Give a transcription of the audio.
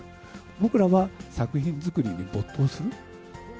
僕らは作品作りに没頭する。